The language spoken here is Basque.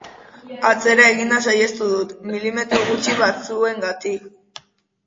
Atzera eginda saihestu dut, milimetro gutxi batzuengatik.